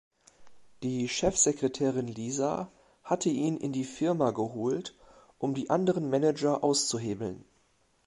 Die Chefsekretärin Lisa hatte ihn in die Firma geholt, um die anderen Manager auszuhebeln.